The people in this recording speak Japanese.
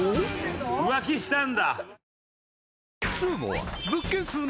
浮気したんだ。